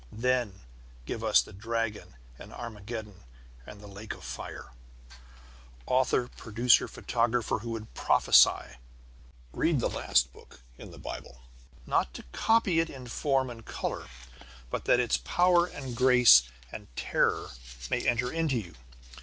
Then give us the Dragon and Armageddon and the Lake of Fire. Author producer photographer, who would prophesy, read the last book in the Bible, not to copy it in form and color, but that its power and grace and terror may enter into you.